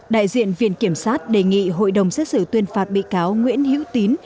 đại diện viện kiểm sát đề nghị hội đồng xét xử tuyên phạt bị cáo nguyễn hữu tín